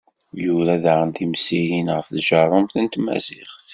Yura daɣen timsirin ɣef tjerrumt n tmaziɣt.